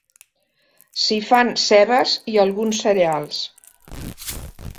S'hi fan cebes i alguns cereals.